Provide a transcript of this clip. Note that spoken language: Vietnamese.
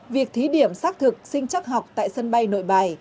việc thí điểm xác thực sinh chắc học tại sân bay nội bài